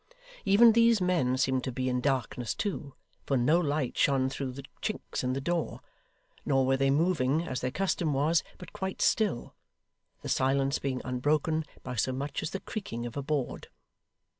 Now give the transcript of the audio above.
Even these men seemed to be in darkness too; for no light shone through the chinks in the door, nor were they moving, as their custom was, but quite still: the silence being unbroken by so much as the creaking of a board.